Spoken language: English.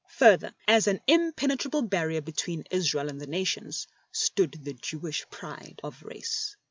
Further, as an impenetrable barrier between Israel and the nations, stood the Jewish pride of race.